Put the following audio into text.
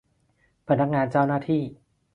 พนักงานเจ้าหน้าที่